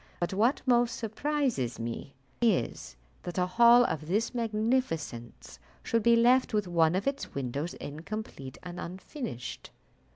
But what most surprises me is, that a hall of this magnificence should be left with one of its windows incomplete and unfinished."